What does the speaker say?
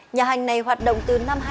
nhà hành này hoạt động từ năm